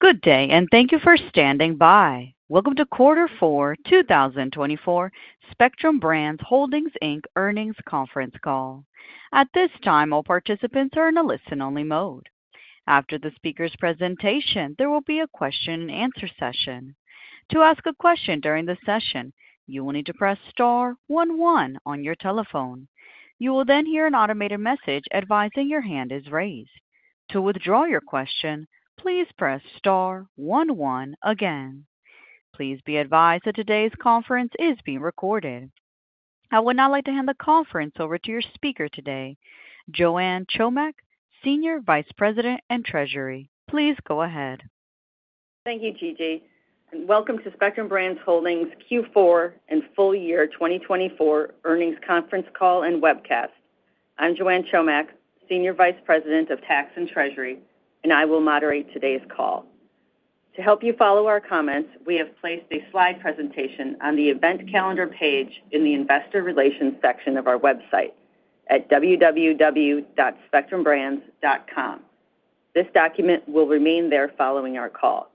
Good day, and thank you for standing by. Welcome to Quarter Four, 2024, Spectrum Brands Holdings, Inc. earnings conference call. At this time, all participants are in a listen-only mode. After the speaker's presentation, there will be a question-and-answer session. To ask a question during the session, you will need to press star one, one on your telephone. You will then hear an automated message advising your hand is raised. To withdraw your question, please press star one, one again. Please be advised that today's conference is being recorded. I would now like to hand the conference over to your speaker today, Joanne Chomiak, Senior Vice President of Tax and Treasury. Please go ahead. Thank you, Gigi, and welcome to Spectrum Brands Holdings Q4 and full year 2024 earnings conference call and webcast. I'm Joanne Chomiak, Senior Vice President of Tax and Treasury, and I will moderate today's call. To help you follow our comments, we have placed a slide presentation on the event calendar page in the investor relations section of our website at www.spectrumbrands.com. This document will remain there following our call.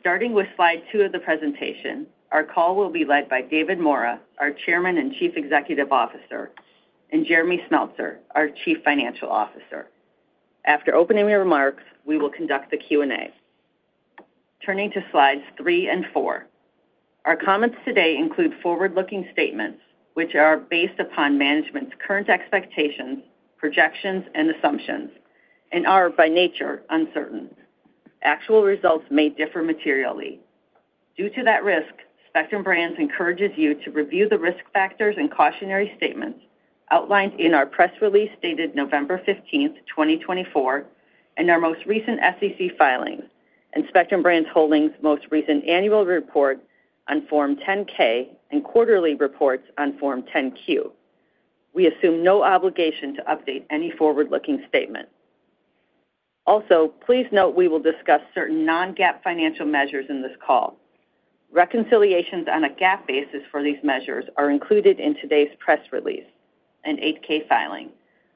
Starting with slide two of the presentation, our call will be led by David Maura, our Chairman and Chief Executive Officer, and Jeremy Smeltser, our Chief Financial Officer. After opening remarks, we will conduct the Q&A. Turning to slides three and four, our comments today include forward-looking statements, which are based upon management's current expectations, projections, and assumptions, and are, by nature, uncertain. Actual results may differ materially. Due to that risk, Spectrum Brands encourages you to review the risk factors and cautionary statements outlined in our press release dated November 15th, 2024, and our most recent SEC filings, and Spectrum Brands Holdings' most recent annual report on Form 10-K and quarterly reports on Form 10-Q. We assume no obligation to update any forward-looking statement. Also, please note we will discuss certain non-GAAP financial measures in this call. Reconciliations on a GAAP basis for these measures are included in today's press release and 8-K filing,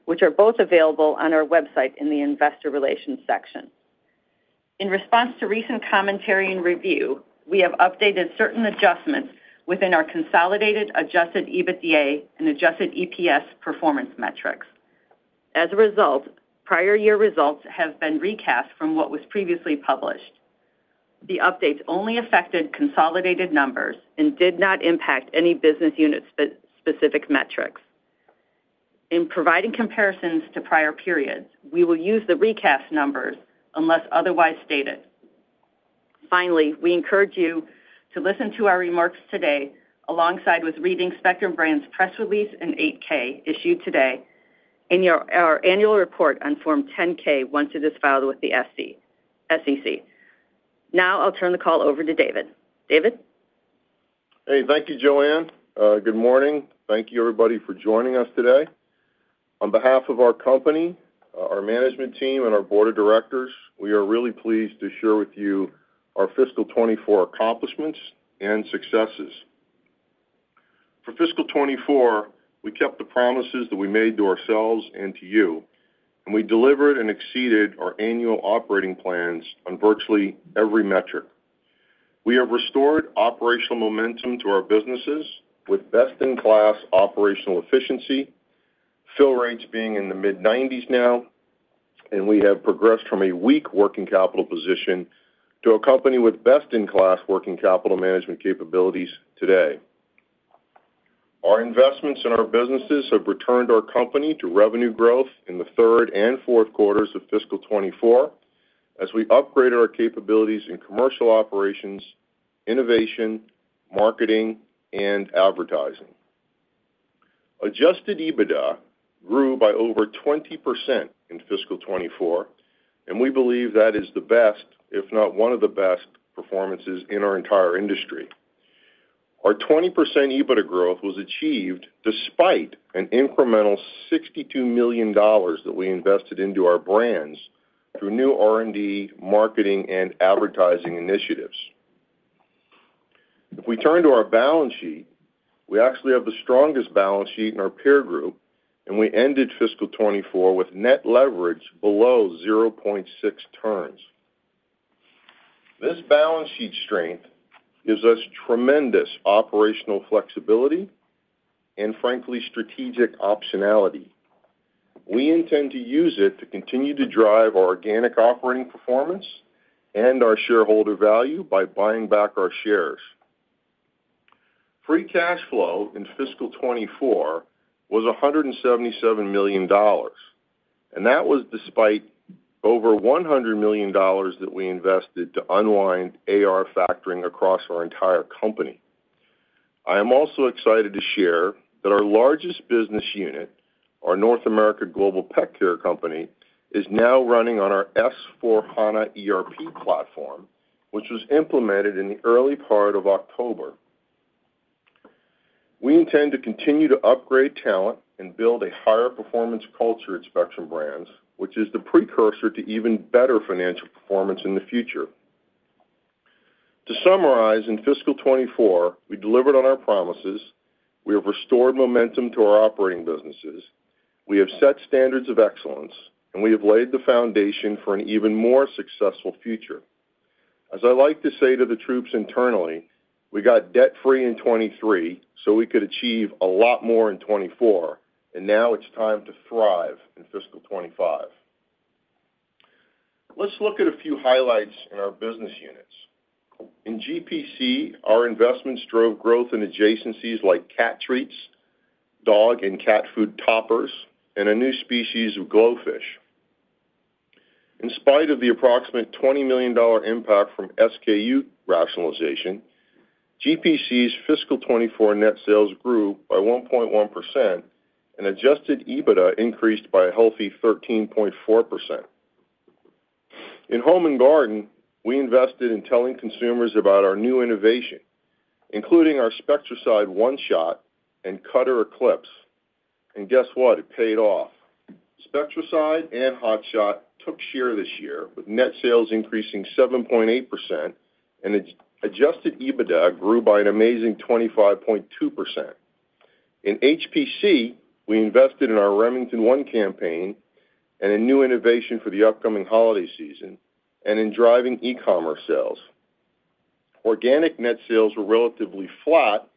which are both available on our website in the investor relations section. In response to recent commentary and review, we have updated certain adjustments within our consolidated adjusted EBITDA and adjusted EPS performance metrics. As a result, prior year results have been recast from what was previously published. The updates only affected consolidated numbers and did not impact any business unit-specific metrics. In providing comparisons to prior periods, we will use the recast numbers unless otherwise stated. Finally, we encourage you to listen to our remarks today alongside reading Spectrum Brands' press release and 8-K issued today and our annual report on Form 10-K once it is filed with the SEC. Now I'll turn the call over to David. David? Hey, thank you, Joanne. Good morning. Thank you, everybody, for joining us today. On behalf of our company, our management team, and our board of directors, we are really pleased to share with you our fiscal 2024 accomplishments and successes. For fiscal 2024, we kept the promises that we made to ourselves and to you, and we delivered and exceeded our annual operating plans on virtually every metric. We have restored operational momentum to our businesses with best-in-class operational efficiency, fill rates being in the mid-90s now, and we have progressed from a weak working capital position to a company with best-in-class working capital management capabilities today. Our investments in our businesses have returned our company to revenue growth in the third and fourth quarters of fiscal 2024 as we upgraded our capabilities in commercial operations, innovation, marketing, and advertising. Adjusted EBITDA grew by over 20% in fiscal 2024, and we believe that is the best, if not one of the best, performances in our entire industry. Our 20% EBITDA growth was achieved despite an incremental $62 million that we invested into our brands through new R&D, marketing, and advertising initiatives. If we turn to our balance sheet, we actually have the strongest balance sheet in our peer group, and we ended fiscal 2024 with net leverage below 0.6 turns. This balance sheet strength gives us tremendous operational flexibility and, frankly, strategic optionality. We intend to use it to continue to drive our organic operating performance and our shareholder value by buying back our shares. Free cash flow in fiscal 2024 was $177 million, and that was despite over $100 million that we invested to unwind AR factoring across our entire company. I am also excited to share that our largest business unit, our North America Global Pet Care Company, is now running on our S/4HANA ERP platform, which was implemented in the early part of October. We intend to continue to upgrade talent and build a higher performance culture at Spectrum Brands, which is the precursor to even better financial performance in the future. To summarize, in fiscal 2024, we delivered on our promises, we have restored momentum to our operating businesses, we have set standards of excellence, and we have laid the foundation for an even more successful future. As I like to say to the troops internally, we got debt-free in 2023 so we could achieve a lot more in 2024, and now it's time to thrive in fiscal 2025. Let's look at a few highlights in our business units. In GPC, our investments drove growth in adjacencies like cat treats, dog and cat food toppers, and a new species of GloFish. In spite of the approximate $20 million impact from SKU rationalization, GPC's fiscal 2024 net sales grew by 1.1%, and Adjusted EBITDA increased by a healthy 13.4%. In Home & Garden, we invested in telling consumers about our new innovation, including our Spectracide One-Shot and Cutter Eclipse. Guess what? It paid off. Spectracide and Hot Shot took share this year, with net sales increasing 7.8%, and Adjusted EBITDA grew by an amazing 25.2%. In HPC, we invested in our Remington ONE campaign and a new innovation for the upcoming holiday season and in driving e-commerce sales. Organic net sales were relatively flat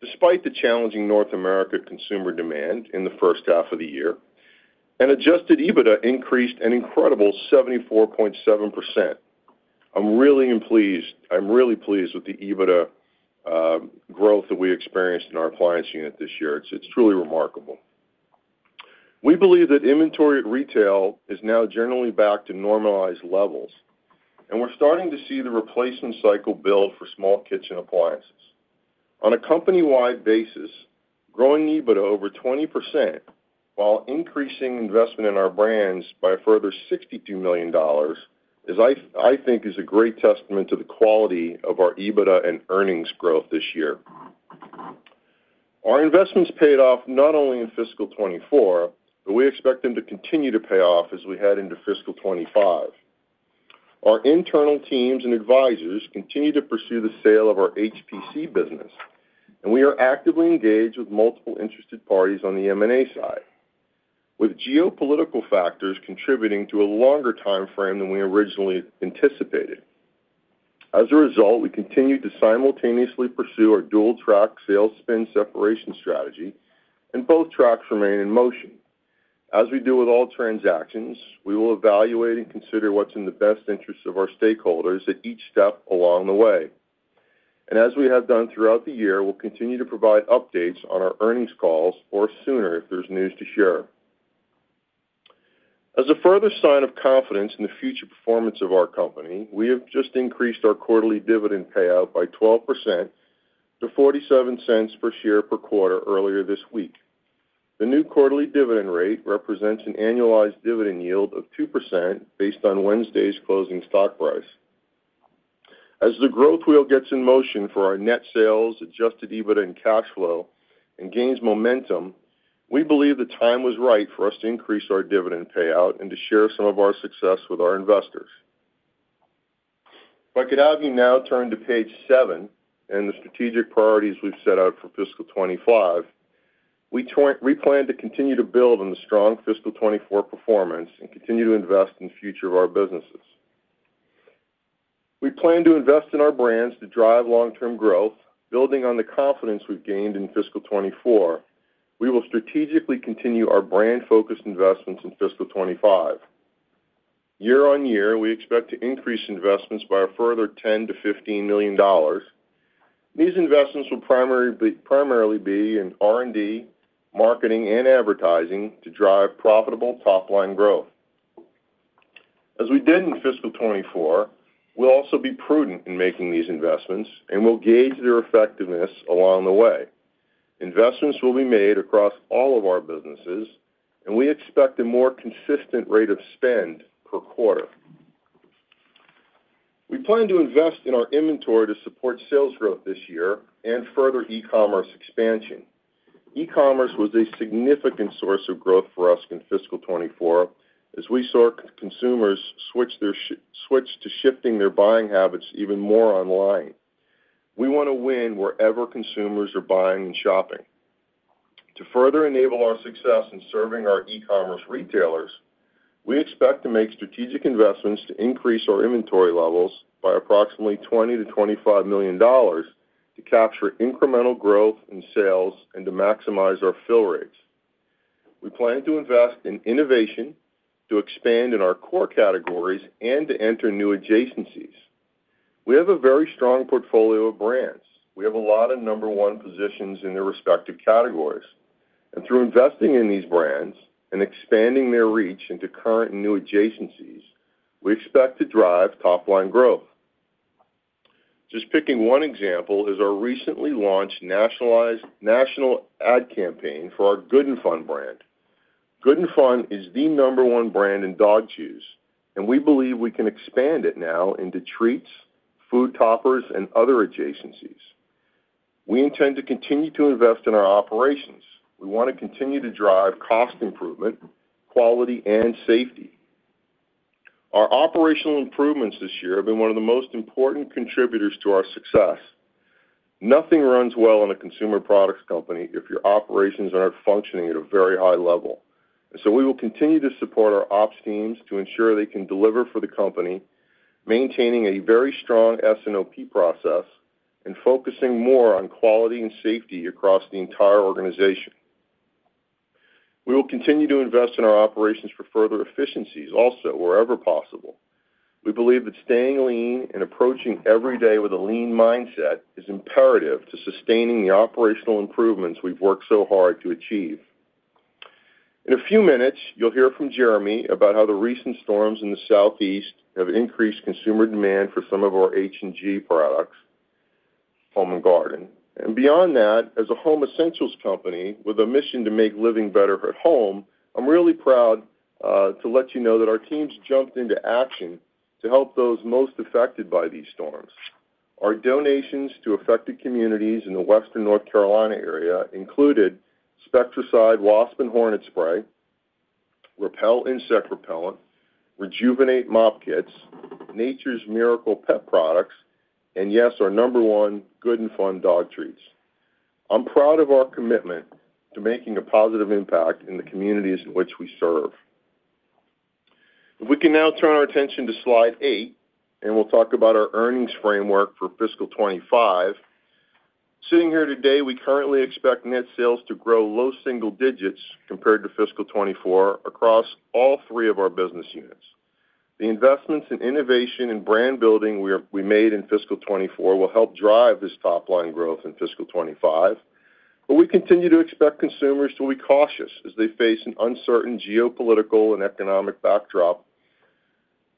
despite the challenging North America consumer demand in the first half of the year, and Adjusted EBITDA increased an incredible 74.7%. I'm really pleased. I'm really pleased with the EBITDA growth that we experienced in our appliance unit this year. It's truly remarkable. We believe that inventory at retail is now generally back to normalized levels, and we're starting to see the replacement cycle build for small kitchen appliances. On a company-wide basis, growing EBITDA over 20% while increasing investment in our brands by a further $62 million, I think, is a great testament to the quality of our EBITDA and earnings growth this year. Our investments paid off not only in fiscal 2024, but we expect them to continue to pay off as we head into fiscal 2025. Our internal teams and advisors continue to pursue the sale of our HPC business, and we are actively engaged with multiple interested parties on the M&A side, with geopolitical factors contributing to a longer timeframe than we originally anticipated. As a result, we continue to simultaneously pursue our dual-track sales spin separation strategy, and both tracks remain in motion. As we do with all transactions, we will evaluate and consider what's in the best interest of our stakeholders at each step along the way, and as we have done throughout the year, we'll continue to provide updates on our earnings calls or sooner if there's news to share. As a further sign of confidence in the future performance of our company, we have just increased our quarterly dividend payout by 12% to $0.47 per share per quarter earlier this week. The new quarterly dividend rate represents an annualized dividend yield of 2% based on Wednesday's closing stock price. As the growth wheel gets in motion for our net sales, Adjusted EBITDA and cash flow, and gains momentum, we believe the time was right for us to increase our dividend payout and to share some of our success with our investors. If I could have you now turn to page seven and the strategic priorities we've set out for fiscal 2025, we plan to continue to build on the strong fiscal 2024 performance and continue to invest in the future of our businesses. We plan to invest in our brands to drive long-term growth, building on the confidence we've gained in fiscal 2024. We will strategically continue our brand-focused investments in fiscal 2025. Year on year, we expect to increase investments by a further $10 million-$15 million. These investments will primarily be in R&D, marketing, and advertising to drive profitable top-line growth. As we did in fiscal 2024, we'll also be prudent in making these investments, and we'll gauge their effectiveness along the way. Investments will be made across all of our businesses, and we expect a more consistent rate of spend per quarter. We plan to invest in our inventory to support sales growth this year and further e-commerce expansion. E-commerce was a significant source of growth for us in fiscal 2024 as we saw consumers switch to shifting their buying habits even more online. We want to win wherever consumers are buying and shopping. To further enable our success in serving our e-commerce retailers, we expect to make strategic investments to increase our inventory levels by approximately $20 million-$25 million to capture incremental growth in sales and to maximize our fill rates. We plan to invest in innovation to expand in our core categories and to enter new adjacencies. We have a very strong portfolio of brands. We have a lot of number-one positions in their respective categories. And through investing in these brands and expanding their reach into current and new adjacencies, we expect to drive top-line growth. Just picking one example is our recently launched national ad campaign for our Good 'n' Fun brand. Good 'n' Fun is the number-one brand in dog chews, and we believe we can expand it now into treats, food toppers, and other adjacencies. We intend to continue to invest in our operations. We want to continue to drive cost improvement, quality, and safety. Our operational improvements this year have been one of the most important contributors to our success. Nothing runs well in a consumer products company if your operations aren't functioning at a very high level. And so we will continue to support our ops teams to ensure they can deliver for the company, maintaining a very strong S&OP process and focusing more on quality and safety across the entire organization. We will continue to invest in our operations for further efficiencies also wherever possible. We believe that staying lean and approaching every day with a lean mindset is imperative to sustaining the operational improvements we've worked so hard to achieve. In a few minutes, you'll hear from Jeremy about how the recent storms in the southeast have increased consumer demand for some of our H&G products, Home & Garden. And beyond that, as a home essentials company with a mission to make living better at home, I'm really proud to let you know that our teams jumped into action to help those most affected by these storms. Our donations to affected communities in the Western North Carolina area included Spectracide Wasp and Hornet Spray, Repel Insect Repellent, Rejuvenate Mop Kits, Nature's Miracle Pet Products, and yes, our number one Good 'n' Fun dog treats. I'm proud of our commitment to making a positive impact in the communities in which we serve. If we can now turn our attention to slide eight, and we'll talk about our earnings framework for fiscal 2025. Sitting here today, we currently expect net sales to grow low single digits compared to fiscal 2024 across all three of our business units. The investments in innovation and brand building we made in fiscal 2024 will help drive this top-line growth in fiscal 2025, but we continue to expect consumers to be cautious as they face an uncertain geopolitical and economic backdrop.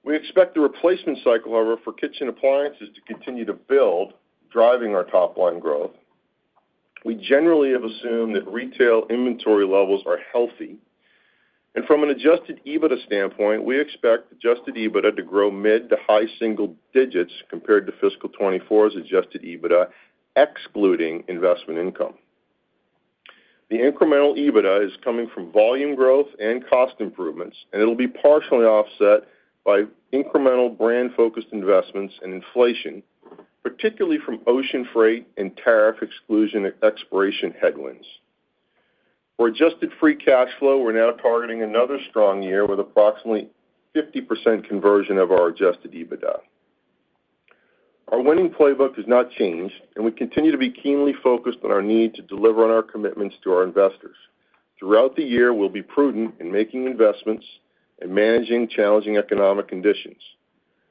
We expect the replacement cycle, however, for kitchen appliances to continue to build, driving our top-line growth. We generally have assumed that retail inventory levels are healthy, and from an adjusted EBITDA standpoint, we expect adjusted EBITDA to grow mid- to high-single digits compared to fiscal 2024's adjusted EBITDA, excluding investment income. The incremental EBITDA is coming from volume growth and cost improvements, and it'll be partially offset by incremental brand-focused investments and inflation, particularly from ocean freight and tariff exclusion expiration headwinds. For adjusted free cash flow, we're now targeting another strong year with approximately 50% conversion of our adjusted EBITDA. Our winning playbook has not changed, and we continue to be keenly focused on our need to deliver on our commitments to our investors. Throughout the year, we'll be prudent in making investments and managing challenging economic conditions.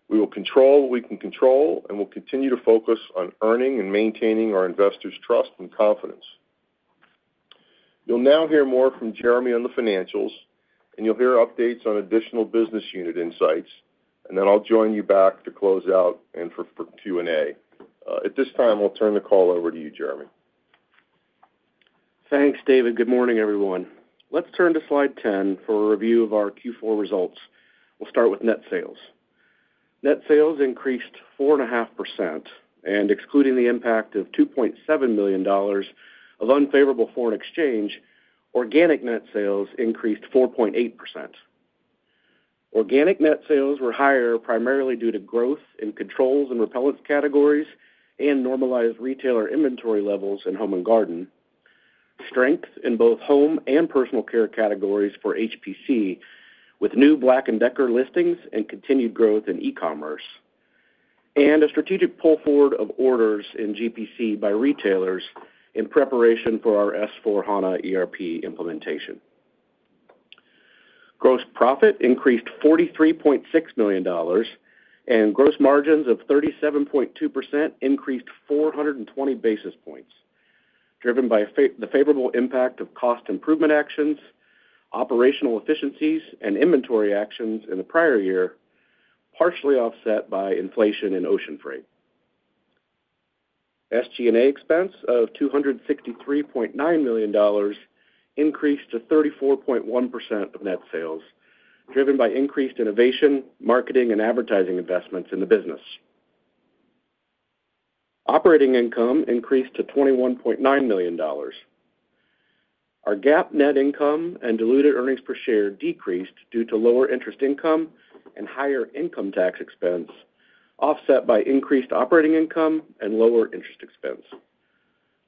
We will control what we can control, and we'll continue to focus on earning and maintaining our investors' trust and confidence. You'll now hear more from Jeremy on the financials, and you'll hear updates on additional business unit insights, and then I'll join you back to close out and for Q&A. At this time, I'll turn the call over to you, Jeremy. Thanks, David. Good morning, everyone. Let's turn to slide 10 for a review of our Q4 results. We'll start with net sales. Net sales increased 4.5%, and excluding the impact of $2.7 million of unfavorable foreign exchange, organic net sales increased 4.8%. Organic net sales were higher primarily due to growth in controls and repellents categories and normalized retailer inventory levels in Home & Garden, strength in both Home and Personal Care categories for HPC with new BLACK+DECKER listings and continued growth in e-commerce, and a strategic pull forward of orders in GPC by retailers in preparation for our S/4HANA ERP implementation. Gross profit increased $43.6 million, and gross margins of 37.2% increased 420 basis points, driven by the favorable impact of cost improvement actions, operational efficiencies, and inventory actions in the prior year, partially offset by inflation in ocean freight. SG&A expense of $263.9 million increased to 34.1% of net sales, driven by increased innovation, marketing, and advertising investments in the business. Operating income increased to $21.9 million. Our GAAP net income and diluted earnings per share decreased due to lower interest income and higher income tax expense, offset by increased operating income and lower interest expense.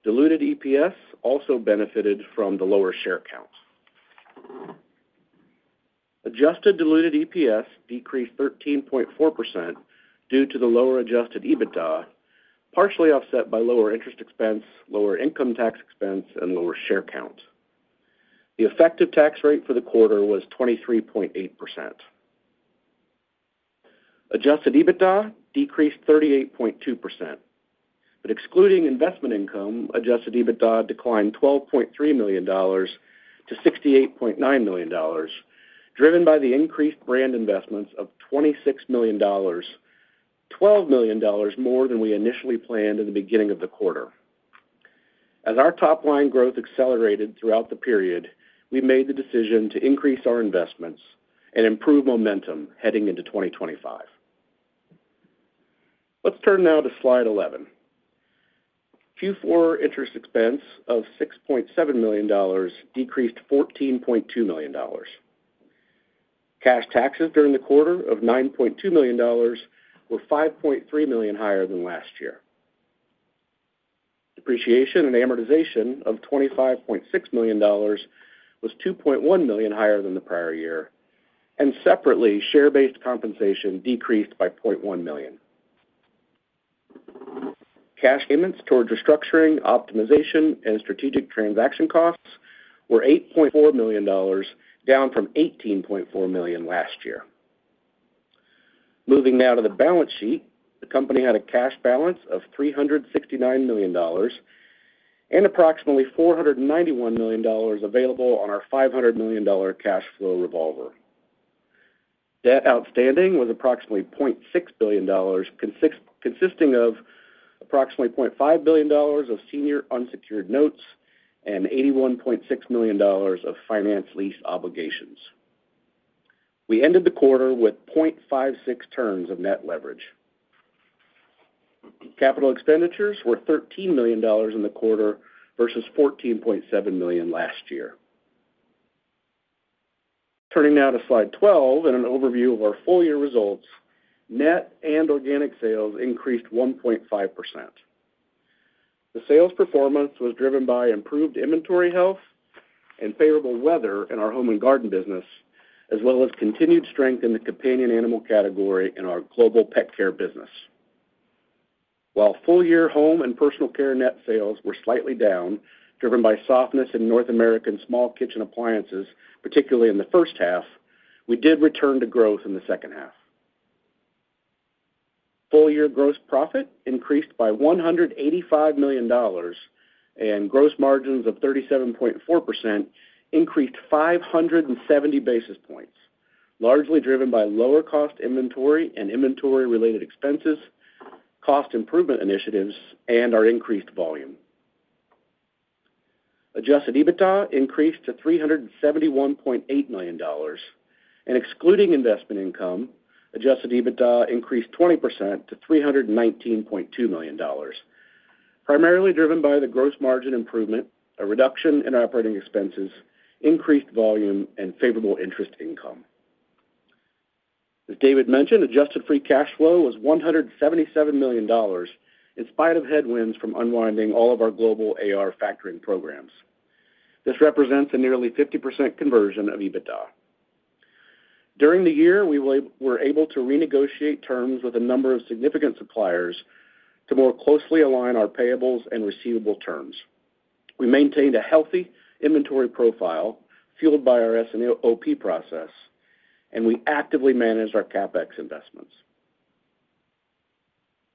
Diluted EPS also benefited from the lower share count. Adjusted diluted EPS decreased 13.4% due to the lower Adjusted EBITDA, partially offset by lower interest expense, lower income tax expense, and lower share count. The effective tax rate for the quarter was 23.8%. Adjusted EBITDA decreased 38.2%. But excluding investment income, Adjusted EBITDA declined $12.3 million to $68.9 million, driven by the increased brand investments of $26 million, $12 million more than we initially planned in the beginning of the quarter. As our top-line growth accelerated throughout the period, we made the decision to increase our investments and improve momentum heading into 2025. Let's turn now to slide 11. Q4 interest expense of $6.7 million decreased $14.2 million. Cash taxes during the quarter of $9.2 million were $5.3 million higher than last year. Depreciation and amortization of $25.6 million was $2.1 million higher than the prior year. And separately, share-based compensation decreased by $0.1 million. Cash payments towards restructuring, optimization, and strategic transaction costs were $8.4 million, down from $18.4 million last year. Moving now to the balance sheet, the company had a cash balance of $369 million and approximately $491 million available on our $500 million cash flow revolver. Debt outstanding was approximately $0.6 billion, consisting of approximately $0.5 billion of senior unsecured notes and $81.6 million of finance lease obligations. We ended the quarter with 0.56 turns of net leverage. Capital expenditures were $13 million in the quarter versus $14.7 million last year. Turning now to slide 12 and an overview of our full year results, net and organic sales increased 1.5%. The sales performance was driven by improved inventory health and favorable weather in our Home & Garden business, as well as continued strength in the companion animal category in our global pet care business. While full year Home and Personal Care net sales were slightly down, driven by softness in North American small kitchen appliances, particularly in the first half, we did return to growth in the second half. Full year gross profit increased by $185 million, and gross margins of 37.4% increased 570 basis points, largely driven by lower cost inventory and inventory-related expenses, cost improvement initiatives, and our increased volume. Adjusted EBITDA increased to $371.8 million, and excluding investment income, adjusted EBITDA increased 20% to $319.2 million, primarily driven by the gross margin improvement, a reduction in operating expenses, increased volume, and favorable interest income. As David mentioned, adjusted free cash flow was $177 million in spite of headwinds from unwinding all of our global AR factoring programs. This represents a nearly 50% conversion of EBITDA. During the year, we were able to renegotiate terms with a number of significant suppliers to more closely align our payables and receivable terms. We maintained a healthy inventory profile fueled by our S&OP process, and we actively managed our CapEx investments.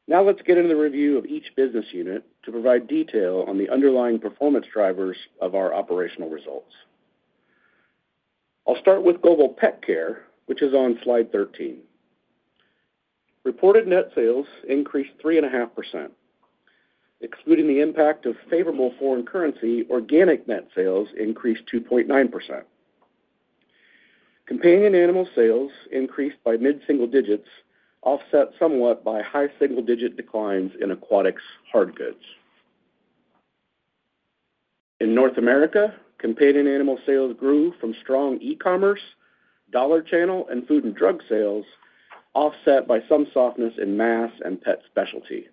Now let's get into the review of each business unit to provide detail on the underlying performance drivers of our operational results. I'll start with global pet care, which is on slide 13. Reported net sales increased 3.5%. Excluding the impact of favorable foreign currency, organic net sales increased 2.9%. Companion animal sales increased by mid-single digits, offset somewhat by high single-digit declines in Aquatics hard goods. In North America, companion animal sales grew from strong e-commerce, dollar channel, and food and drug sales, offset by some softness in mass and pet specialty.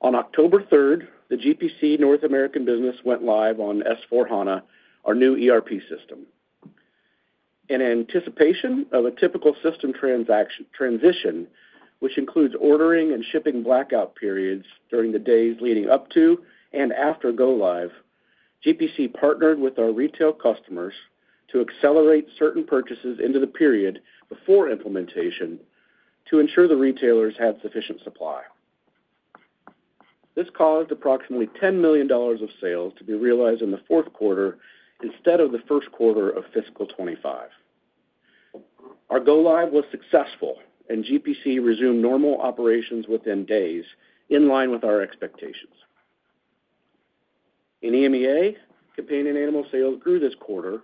On October 3rd, the GPC North American business went live on S/4HANA, our new ERP system. In anticipation of a typical system transition, which includes ordering and shipping blackout periods during the days leading up to and after go-live, GPC partnered with our retail customers to accelerate certain purchases into the period before implementation to ensure the retailers had sufficient supply. This caused approximately $10 million of sales to be realized in the fourth quarter instead of the first quarter of fiscal 2025. Our go-live was successful, and GPC resumed normal operations within days, in line with our expectations. In EMEA, companion animal sales grew this quarter,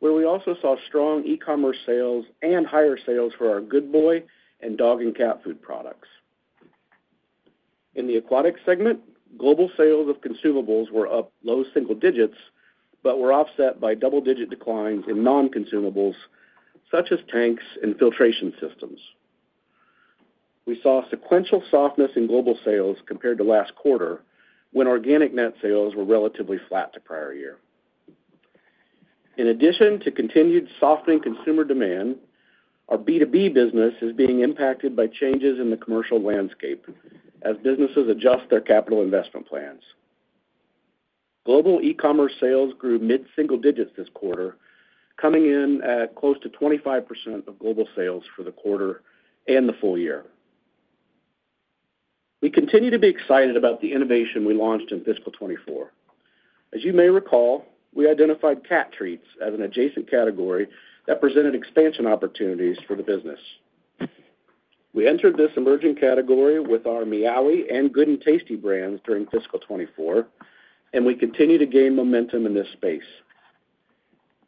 where we also saw strong e-commerce sales and higher sales for our Good Boy and dog and cat food products. In the aquatic segment, global sales of consumables were up low single digits but were offset by double-digit declines in non-consumables such as tanks and filtration systems. We saw sequential softness in global sales compared to last quarter, when organic net sales were relatively flat to prior year. In addition to continued softening consumer demand, our B2B business is being impacted by changes in the commercial landscape as businesses adjust their capital investment plans. Global e-commerce sales grew mid-single digits this quarter, coming in at close to 25% of global sales for the quarter and the full year. We continue to be excited about the innovation we launched in fiscal 2024. As you may recall, we identified cat treats as an adjacent category that presented expansion opportunities for the business. We entered this emerging category with our Meowee and Good 'n' Tasty brands during fiscal 2024, and we continue to gain momentum in this space.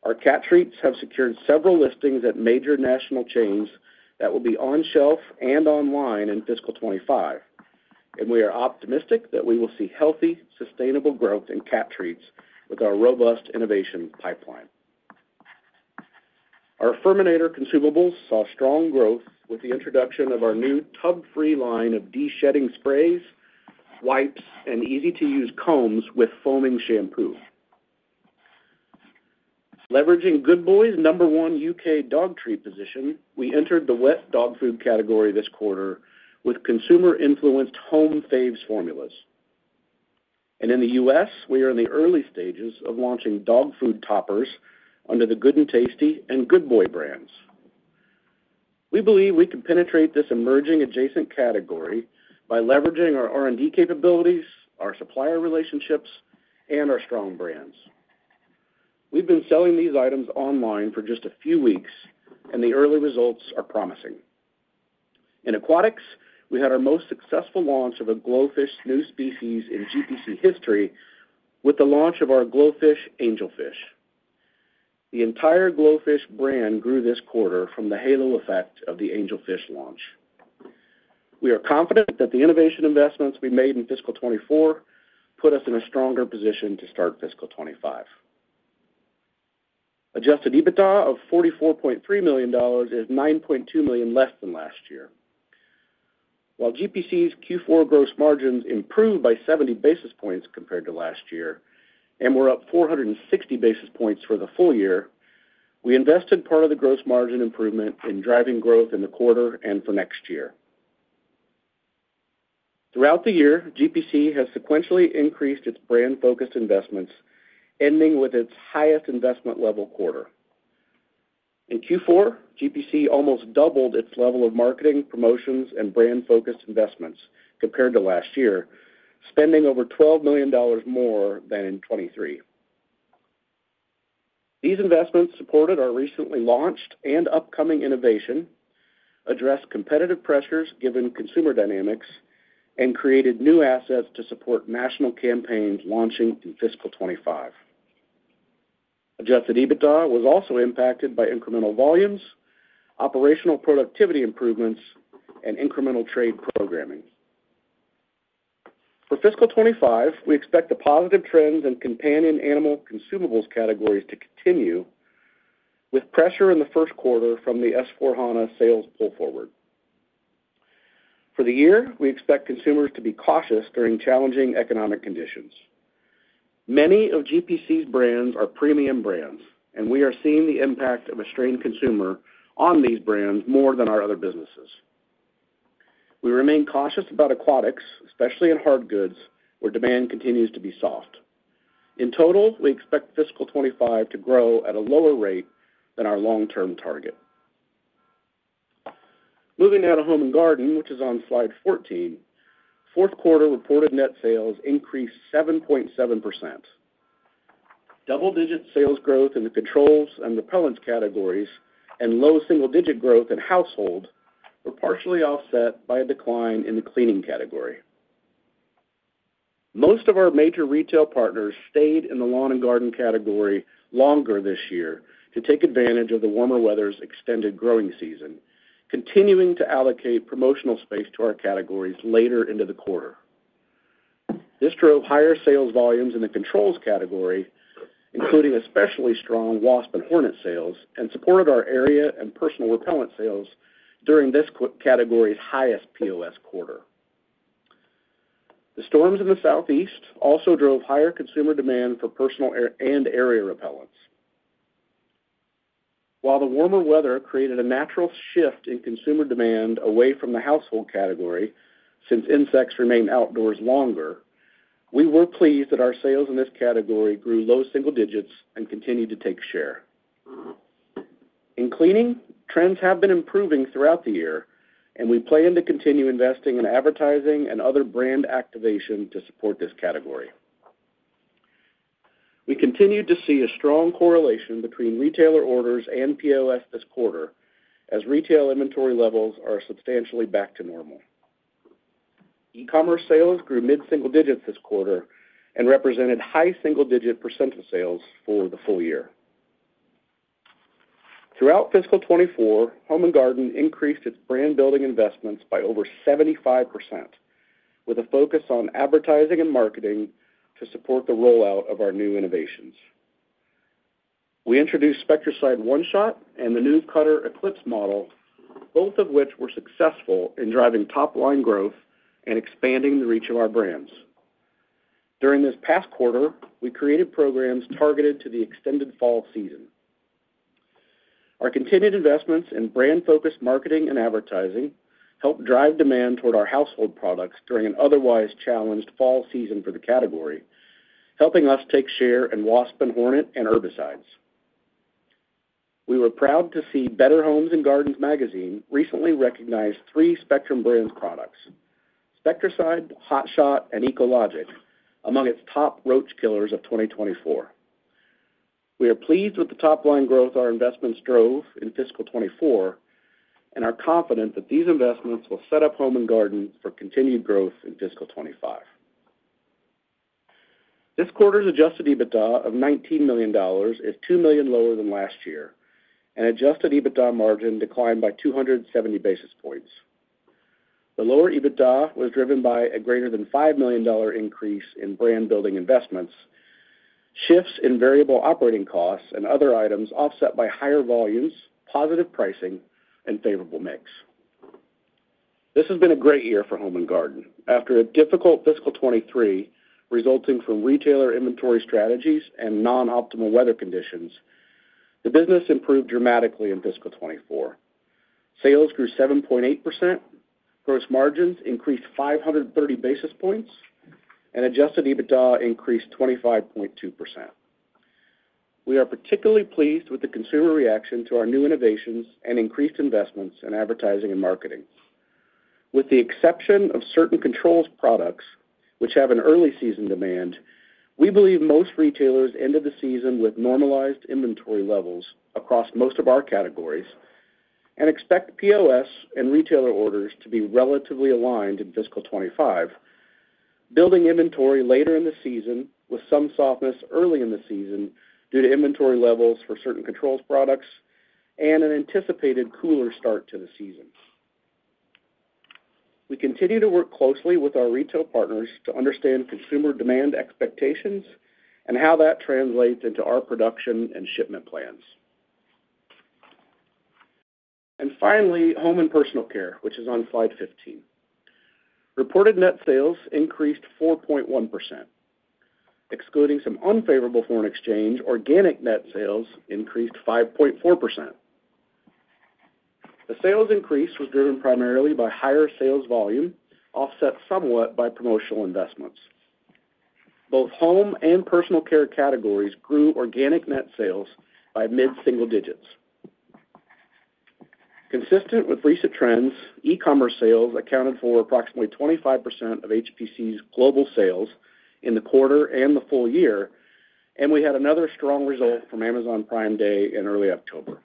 Our cat treats have secured several listings at major national chains that will be on shelf and online in fiscal 2025, and we are optimistic that we will see healthy, sustainable growth in cat treats with our robust innovation pipeline. Our FURminator consumables saw strong growth with the introduction of our new tub-free line of deshedding sprays, wipes, and easy-to-use combs with foaming shampoo. Leveraging Good Boy's number one U.K. dog treat position, we entered the wet dog food category this quarter with consumer-influenced Home Faves formulas. And in the US, we are in the early stages of launching dog food toppers under the Good 'n' Tasty and Good Boy brands. We believe we can penetrate this emerging adjacent category by leveraging our R&D capabilities, our supplier relationships, and our strong brands. We've been selling these items online for just a few weeks, and the early results are promising. In aquatics, we had our most successful launch of a GloFish new species in GPC history with the launch of our GloFish angelfish. The entire GloFish brand grew this quarter from the halo effect of the angelfish launch. We are confident that the innovation investments we made in fiscal 2024 put us in a stronger position to start fiscal 2025. Adjusted EBITDA of $44.3 million is $9.2 million less than last year. While GPC's Q4 gross margins improved by 70 basis points compared to last year and were up 460 basis points for the full year, we invested part of the gross margin improvement in driving growth in the quarter and for next year. Throughout the year, GPC has sequentially increased its brand-focused investments, ending with its highest investment level quarter. In Q4, GPC almost doubled its level of marketing, promotions, and brand-focused investments compared to last year, spending over $12 million more than in 2023. These investments supported our recently launched and upcoming innovation, addressed competitive pressures given consumer dynamics, and created new assets to support national campaigns launching in fiscal 2025. Adjusted EBITDA was also impacted by incremental volumes, operational productivity improvements, and incremental trade programming. For fiscal 2025, we expect the positive trends in companion animal consumables categories to continue, with pressure in the first quarter from the S/4HANA sales pull forward. For the year, we expect consumers to be cautious during challenging economic conditions. Many of GPC's brands are premium brands, and we are seeing the impact of a strained consumer on these brands more than our other businesses. We remain cautious about aquatics, especially in hard goods, where demand continues to be soft. In total, we expect fiscal 2025 to grow at a lower rate than our long-term target. Moving now to Home & Garden, which is on slide 14, fourth quarter reported net sales increased 7.7%. Double-digit sales growth in the controls and repellents categories and low single-digit growth in household were partially offset by a decline in the cleaning category. Most of our major retail partners stayed in the lawn and garden category longer this year to take advantage of the warmer weather's extended growing season, continuing to allocate promotional space to our categories later into the quarter. This drove higher sales volumes in the controls category, including especially strong wasp and hornet sales, and supported our area and personal repellent sales during this category's highest POS quarter. The storms in the Southeast also drove higher consumer demand for personal and area repellents. While the warmer weather created a natural shift in consumer demand away from the household category since insects remain outdoors longer, we were pleased that our sales in this category grew low single digits and continued to take share. In cleaning, trends have been improving throughout the year, and we plan to continue investing in advertising and other brand activation to support this category. We continue to see a strong correlation between retailer orders and POS this quarter as retail inventory levels are substantially back to normal. E-commerce sales grew mid-single digits this quarter and represented high single-digit percent of sales for the full year. Throughout fiscal 2024, Home & Garden increased its brand-building investments by over 75%, with a focus on advertising and marketing to support the rollout of our new innovations. We introduced Spectracide One-Shot and the new Cutter Eclipse model, both of which were successful in driving top-line growth and expanding the reach of our brands. During this past quarter, we created programs targeted to the extended fall season. Our continued investments in brand-focused marketing and advertising helped drive demand toward our household products during an otherwise challenged fall season for the category, helping us take share in wasp and hornet and herbicides. We were proud to see Better Homes & Gardens Magazine recently recognize three Spectrum Brands products: Spectracide, Hot Shot, and EcoLogic among its top roach killers of 2024. We are pleased with the top-line growth our investments drove in fiscal 2024 and are confident that these investments will set up Home & Garden for continued growth in fiscal 2025. This quarter's adjusted EBITDA of $19 million is $2 million lower than last year, and adjusted EBITDA margin declined by 270 basis points. The lower EBITDA was driven by a greater than $5 million increase in brand-building investments, shifts in variable operating costs, and other items offset by higher volumes, positive pricing, and favorable mix. This has been a great year for Home & Garden. After a difficult fiscal 2023 resulting from retailer inventory strategies and non-optimal weather conditions, the business improved dramatically in fiscal 2024. Sales grew 7.8%, gross margins increased 530 basis points, and adjusted EBITDA increased 25.2%. We are particularly pleased with the consumer reaction to our new innovations and increased investments in advertising and marketing. With the exception of certain controls products, which have an early season demand, we believe most retailers ended the season with normalized inventory levels across most of our categories and expect POS and retailer orders to be relatively aligned in fiscal 2025, building inventory later in the season with some softness early in the season due to inventory levels for certain controls products and an anticipated cooler start to the season. We continue to work closely with our retail partners to understand consumer demand expectations and how that translates into our production and shipment plans. And finally, Home and Personal Care, which is on slide 15, reported net sales increased 4.1%. Excluding some unfavorable foreign exchange, organic net sales increased 5.4%. The sales increase was driven primarily by higher sales volume, offset somewhat by promotional investments. Both Home and Personal Care categories grew organic net sales by mid-single digits. Consistent with recent trends, e-commerce sales accounted for approximately 25% of HPC's global sales in the quarter and the full year, and we had another strong result from Amazon Prime Day in early October.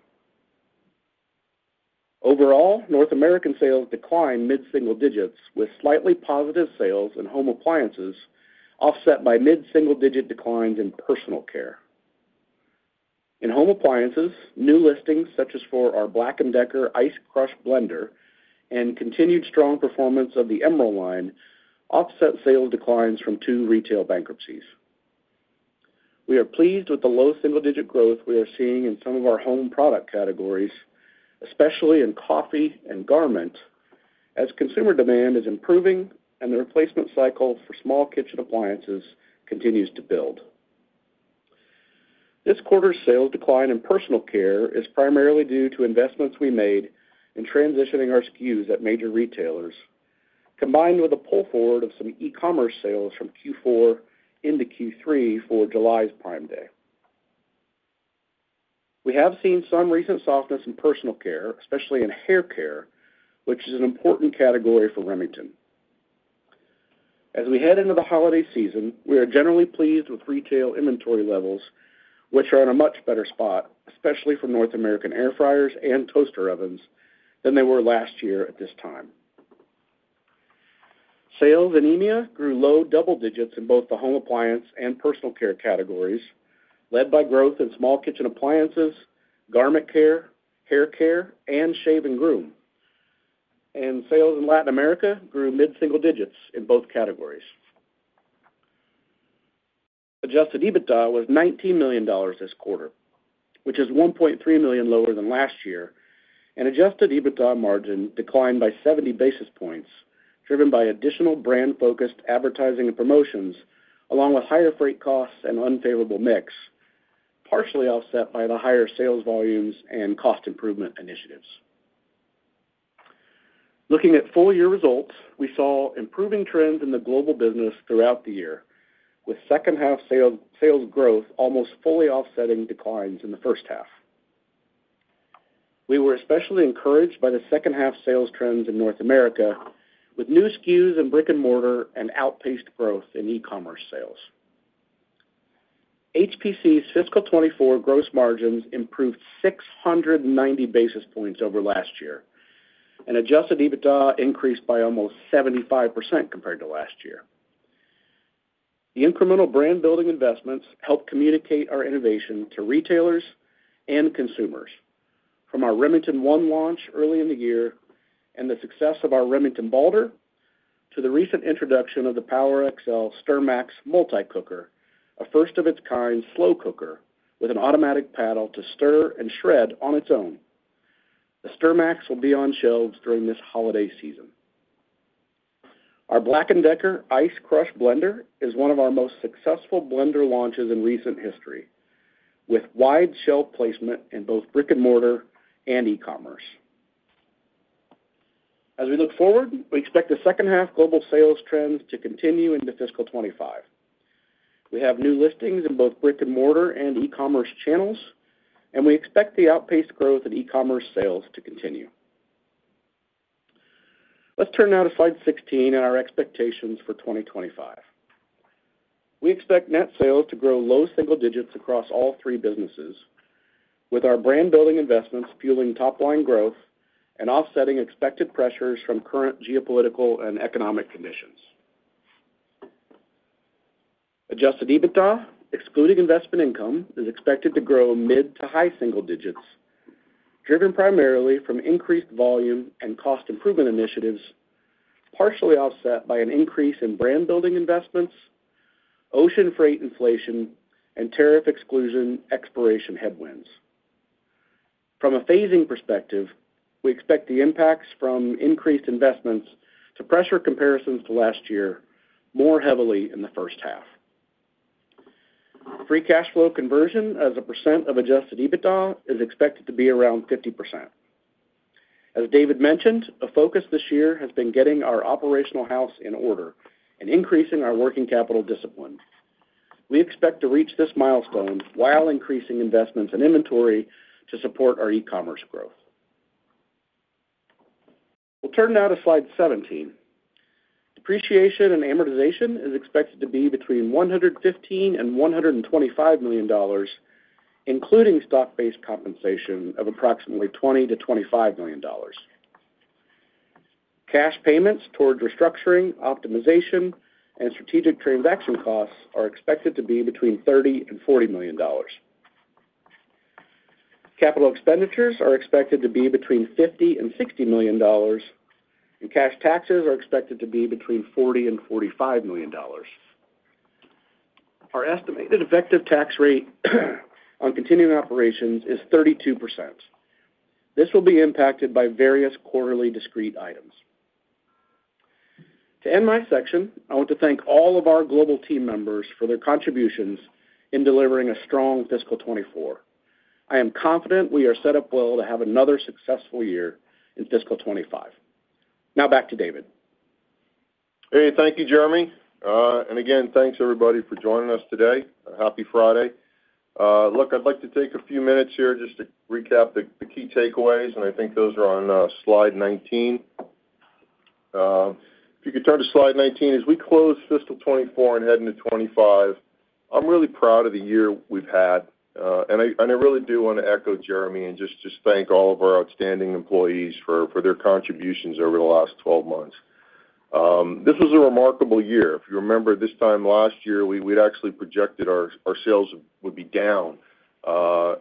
Overall, North American sales declined mid-single digits with slightly positive sales in home appliances, offset by mid-single digit declines in personal care. In home appliances, new listings such as for our BLACK+DECKER Ice Crush Blender and continued strong performance of the Emeril line offset sales declines from two retail bankruptcies. We are pleased with the low single-digit growth we are seeing in some of our home product categories, especially in coffee and garment, as consumer demand is improving and the replacement cycle for small kitchen appliances continues to build. This quarter's sales decline in personal care is primarily due to investments we made in transitioning our SKUs at major retailers, combined with a pull forward of some e-commerce sales from Q4 into Q3 for July's Prime Day. We have seen some recent softness in personal care, especially in hair care, which is an important category for Remington. As we head into the holiday season, we are generally pleased with retail inventory levels, which are in a much better spot, especially for North American air fryers and toaster ovens, than they were last year at this time. Sales in EMEA grew low double digits in both the home appliance and personal care categories, led by growth in small kitchen appliances, garment care, hair care, and shave and groom, and sales in Latin America grew mid-single digits in both categories. Adjusted EBITDA was $19 million this quarter, which is $1.3 million lower than last year, and adjusted EBITDA margin declined by 70 basis points, driven by additional brand-focused advertising and promotions, along with higher freight costs and unfavorable mix, partially offset by the higher sales volumes and cost improvement initiatives. Looking at full-year results, we saw improving trends in the global business throughout the year, with second-half sales growth almost fully offsetting declines in the first half. We were especially encouraged by the second-half sales trends in North America, with new SKUs and brick-and-mortar outpaced growth in e-commerce sales. HPC's fiscal 24 gross margins improved 690 basis points over last year, and adjusted EBITDA increased by almost 75% compared to last year. The incremental brand-building investments helped communicate our innovation to retailers and consumers, from our Remington One launch early in the year and the success of our Remington Balder to the recent introduction of the PowerXL StirMax multi-cooker, a first-of-its-kind slow cooker with an automatic paddle to stir and shred on its own. The StirMax will be on shelves during this holiday season. Our BLACK+DECKER Ice Crush Blender is one of our most successful blender launches in recent history, with wide shelf placement in both brick-and-mortar and e-commerce. As we look forward, we expect the second-half global sales trends to continue into fiscal 2025. We have new listings in both brick-and-mortar and e-commerce channels, and we expect the outpaced growth in e-commerce sales to continue. Let's turn now to slide 16 and our expectations for 2025. We expect net sales to grow low single digits across all three businesses, with our brand-building investments fueling top-line growth and offsetting expected pressures from current geopolitical and economic conditions. Adjusted EBITDA, excluding investment income, is expected to grow mid to high single digits, driven primarily from increased volume and cost improvement initiatives, partially offset by an increase in brand-building investments, ocean freight inflation, and tariff exclusion expiration headwinds. From a phasing perspective, we expect the impacts from increased investments to pressure comparisons to last year more heavily in the first half. Free cash flow conversion as a percent of adjusted EBITDA is expected to be around 50%. As David mentioned, a focus this year has been getting our operational house in order and increasing our working capital discipline. We expect to reach this milestone while increasing investments in inventory to support our e-commerce growth. We'll turn now to slide 17. Depreciation and amortization is expected to be between $115 million-$125 million, including stock-based compensation of approximately $20 million-$25 million. Cash payments toward restructuring, optimization, and strategic transaction costs are expected to be between $30 million-$40 million. Capital expenditures are expected to be between $50 million-$60 million, and cash taxes are expected to be between $40 million-$45 million. Our estimated effective tax rate on continuing operations is 32%. This will be impacted by various quarterly discrete items. To end my section, I want to thank all of our global team members for their contributions in delivering a strong fiscal 2024. I am confident we are set up well to have another successful year in fiscal 2025. Now back to David. Hey, thank you, Jeremy. Again, thanks everybody for joining us today. Happy Friday. Look, I'd like to take a few minutes here just to recap the key takeaways, and I think those are on slide 19. If you could turn to slide 19. As we close fiscal 2024 and head into 2025, I'm really proud of the year we've had, and I really do want to echo Jeremy and just thank all of our outstanding employees for their contributions over the last 12 months. This was a remarkable year. If you remember, this time last year, we'd actually projected our sales would be down.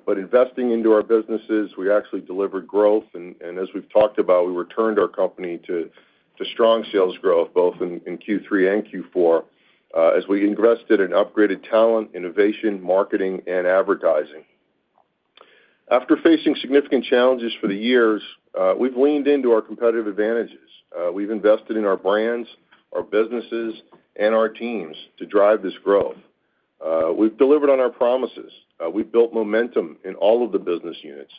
Investing into our businesses, we actually delivered growth, and as we've talked about, we returned our company to strong sales growth both in Q3 and Q4 as we invested in upgraded talent, innovation, marketing, and advertising. After facing significant challenges for the years, we've leaned into our competitive advantages. We've invested in our brands, our businesses, and our teams to drive this growth. We've delivered on our promises. We've built momentum in all of the business units.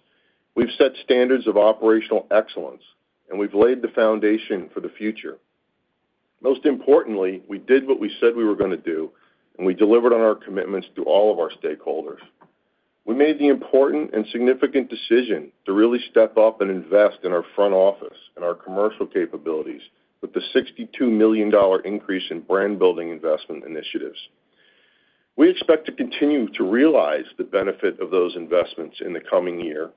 We've set standards of operational excellence, and we've laid the foundation for the future. Most importantly, we did what we said we were going to do, and we delivered on our commitments to all of our stakeholders. We made the important and significant decision to really step up and invest in our front office and our commercial capabilities with the $62 million increase in brand-building investment initiatives. We expect to continue to realize the benefit of those investments in the coming year,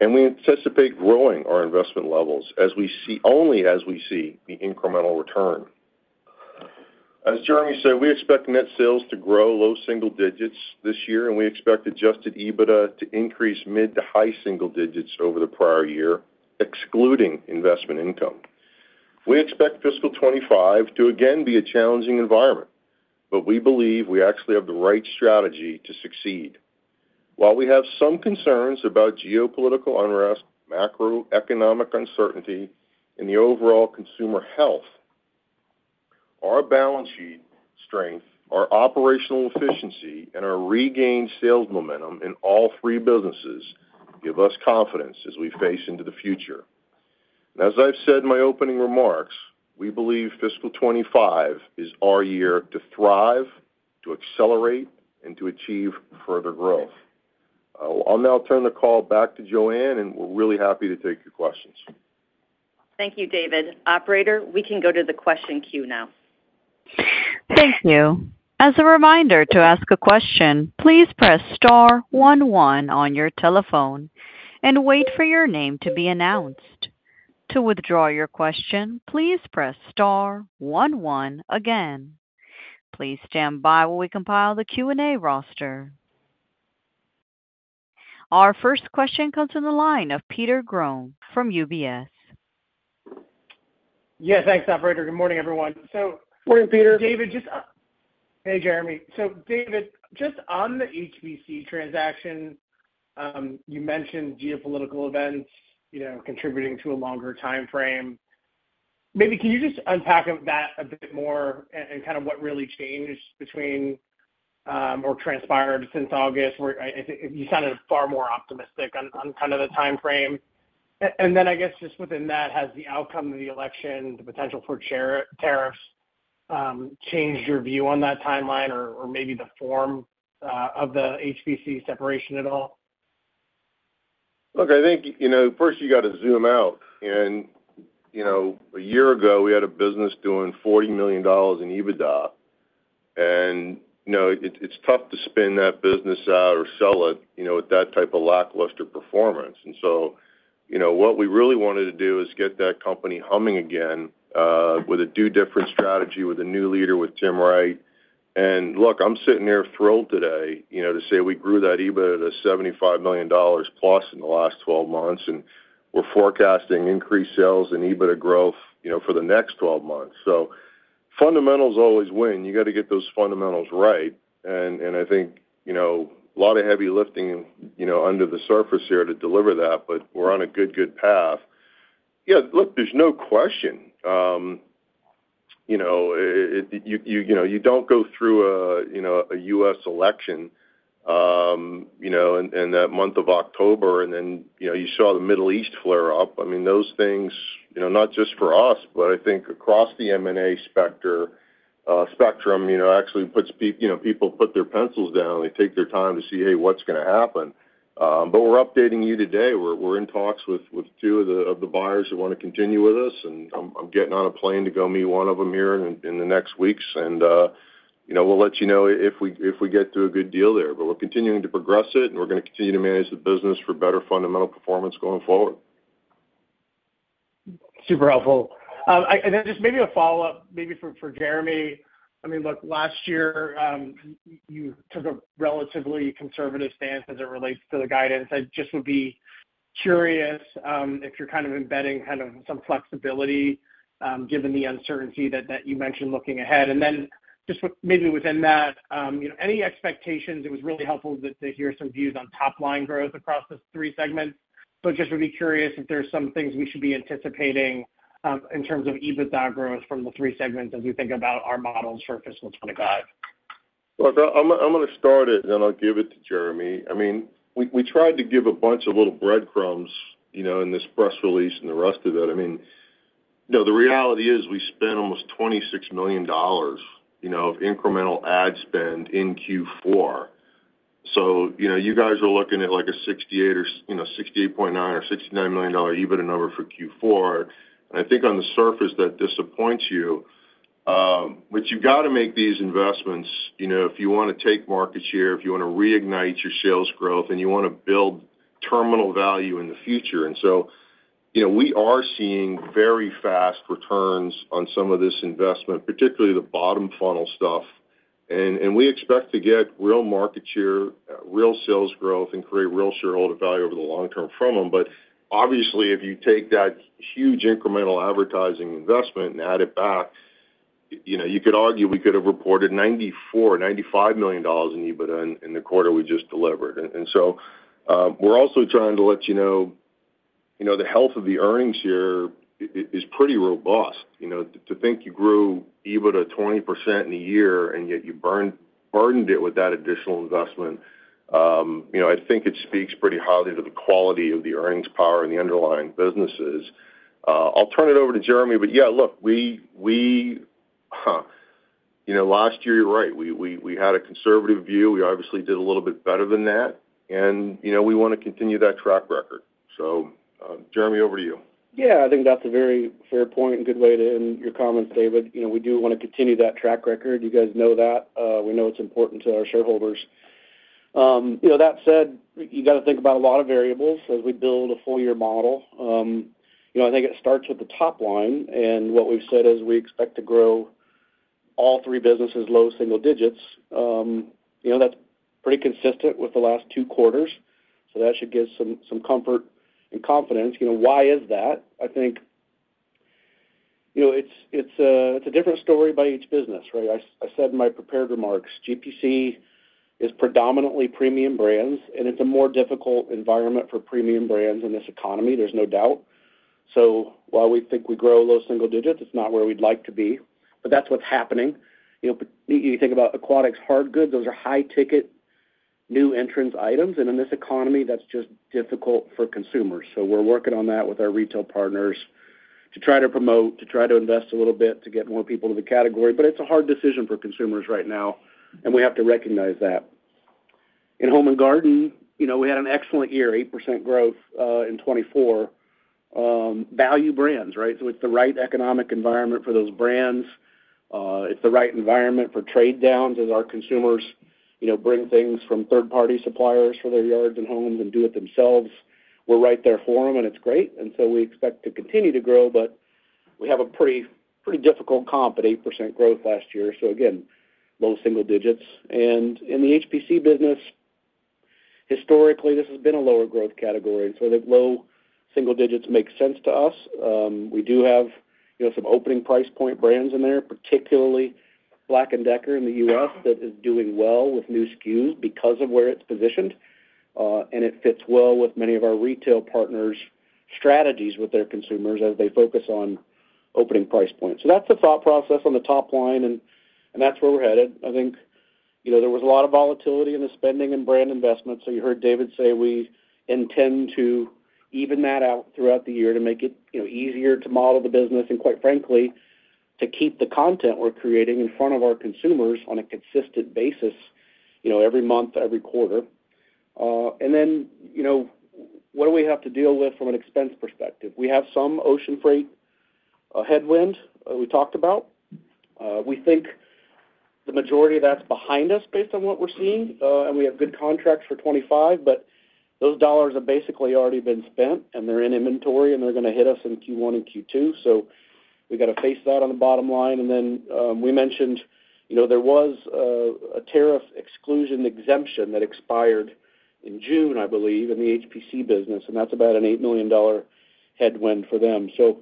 and we anticipate growing our investment levels only as we see the incremental return. As Jeremy said, we expect net sales to grow low single digits this year, and we expect Adjusted EBITDA to increase mid-to-high single-digits over the prior year, excluding investment income. We expect fiscal 2025 to again be a challenging environment, but we believe we actually have the right strategy to succeed. While we have some concerns about geopolitical unrest, macroeconomic uncertainty, and the overall consumer health, our balance sheet strength, our operational efficiency, and our regained sales momentum in all three businesses give us confidence as we face into the future. And as I've said in my opening remarks, we believe fiscal 2025 is our year to thrive, to accelerate, and to achieve further growth. I'll now turn the call back to Joanne, and we're really happy to take your questions. Thank you, David. Operator, we can go to the question queue now. Thank you. As a reminder to ask a question, please press star one, one on your telephone and wait for your name to be announced. To withdraw your question, please press star one, one again. Please stand by while we compile the Q&A roster. Our first question comes from the line of Peter Grom from UBS. Yeah, thanks, Operator. Good morning, everyone. Morning, Peter. David, just. Hey, Jeremy. So David, just on the HPC transaction, you mentioned geopolitical events contributing to a longer time frame. Maybe can you just unpack that a bit more and kind of what really changed between or transpired since August? You sounded far more optimistic on kind of the time frame. And then I guess just within that, has the outcome of the election, the potential for tariffs changed your view on that timeline or maybe the form of the HPC separation at all? Look, I think first you got to zoom out. And a year ago, we had a business doing $40 million in EBITDA, and it's tough to spin that business out or sell it with that type of lackluster performance. And so what we really wanted to do is get that company humming again with a do-different strategy with a new leader with Tim Wright. And look, I'm sitting here thrilled today to say we grew that EBITDA to $75 million plus in the last 12 months, and we're forecasting increased sales and EBITDA growth for the next 12 months. So fundamentals always win. You got to get those fundamentals right. And I think a lot of heavy lifting under the surface here to deliver that, but we're on a good, good path. Yeah, look, there's no question. You don't go through a U.S. Election in that month of October, and then you saw the Middle East flare up. I mean, those things, not just for us, but I think across the M&A spectrum actually puts people to put their pencils down. They take their time to see, hey, what's going to happen? But we're updating you today. We're in talks with two of the buyers who want to continue with us, and I'm getting on a plane to go meet one of them here in the next weeks, and we'll let you know if we get to a good deal there. But we're continuing to progress it, and we're going to continue to manage the business for better fundamental performance going forward. Super helpful. And then just maybe a follow-up, maybe for Jeremy. I mean, look, last year, you took a relatively conservative stance as it relates to the guidance. I just would be curious if you're kind of embedding kind of some flexibility given the uncertainty that you mentioned looking ahead. And then just maybe within that, any expectations? It was really helpful to hear some views on top-line growth across the three segments, but just would be curious if there's some things we should be anticipating in terms of EBITDA growth from the three segments as we think about our models for fiscal 2025. Look, I'm going to start it, and then I'll give it to Jeremy. I mean, we tried to give a bunch of little breadcrumbs in this press release and the rest of it. I mean, the reality is we spent almost $26 million of incremental ad spend in Q4. So you guys are looking at like a $68 million or $68.9 million or $69 million dollar EBITDA number for Q4. I think on the surface, that disappoints you, but you've got to make these investments if you want to take market share, if you want to reignite your sales growth, and you want to build terminal value in the future. And so we are seeing very fast returns on some of this investment, particularly the bottom funnel stuff. And we expect to get real market share, real sales growth, and create real shareholder value over the long term from them. But obviously, if you take that huge incremental advertising investment and add it back, you could argue we could have reported $94 million-$95 million in EBITDA in the quarter we just delivered. And so we're also trying to let you know the health of the earnings here is pretty robust. To think you grew EBITDA 20% in a year, and yet you burdened it with that additional investment. I think it speaks pretty highly to the quality of the earnings power and the underlying businesses. I'll turn it over to Jeremy, but yeah, look, last year, you're right. We had a conservative view. We obviously did a little bit better than that, and we want to continue that track record. So Jeremy, over to you. Yeah, I think that's a very fair point and good way to end your comments, David. We do want to continue that track record. You guys know that. We know it's important to our shareholders. That said, you got to think about a lot of variables as we build a full-year model. I think it starts with the top line, and what we've said is we expect to grow all three businesses low single digits. That's pretty consistent with the last two quarters, so that should give some comfort and confidence. Why is that? I think it's a different story by each business, right? I said in my prepared remarks, GPC is predominantly premium brands, and it's a more difficult environment for premium brands in this economy. There's no doubt. So while we think we grow low single digits, it's not where we'd like to be, but that's what's happening. You think about Aquatics hard goods. Those are high-ticket new entrance items, and in this economy, that's just difficult for consumers. So we're working on that with our retail partners to try to promote, to try to invest a little bit to get more people to the category. But it's a hard decision for consumers right now, and we have to recognize that. In Home & Garden, we had an excellent year, 8% growth in 2024. Value brands, right? So it's the right economic environment for those brands. It's the right environment for trade downs as our consumers bring things from third-party suppliers for their yards and homes and do it themselves. We're right there for them, and it's great. And so we expect to continue to grow, but we have a pretty difficult comp at 8% growth last year. So again, low single digits. And in the HPC business, historically, this has been a lower growth category. So the low single digits make sense to us. We do have some opening price point brands in there, particularly BLACK+DECKER in the U.S. that is doing well with new SKUs because of where it's positioned, and it fits well with many of our retail partners' strategies with their consumers as they focus on opening price points. So that's the thought process on the top line, and that's where we're headed. I think there was a lot of volatility in the spending and brand investment. So you heard David say we intend to even that out throughout the year to make it easier to model the business and, quite frankly, to keep the content we're creating in front of our consumers on a consistent basis every month, every quarter. And then what do we have to deal with from an expense perspective? We have some ocean freight headwind we talked about. We think the majority of that's behind us based on what we're seeing, and we have good contracts for 2025, but those dollars have basically already been spent, and they're in inventory, and they're going to hit us in Q1 and Q2. So we got to face that on the bottom line. And then we mentioned there was a tariff exclusion exemption that expired in June, I believe, in the HPC business, and that's about an $8 million headwind for them. So